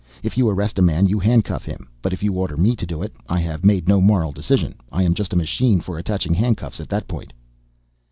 If you arrest a man you handcuff him. But if you order me to do it, I have made no moral decision. I am just a machine for attaching handcuffs at that point